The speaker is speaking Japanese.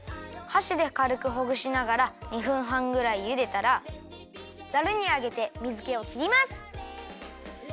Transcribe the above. はしでかるくほぐしながら２分はんぐらいゆでたらザルにあげて水けをきります！